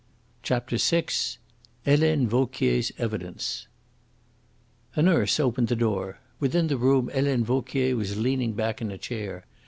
CHAPTER VI HELENE VAUQUIER'S EVIDENCE A nurse opened the door. Within the room Helene Vauquier was leaning back in a chair.